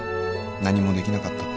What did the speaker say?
何もできなかったって。